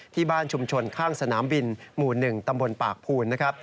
ที่บ้านชุมชนข้างสนามบินหมู่๑ตำบลปากภูนนะครับ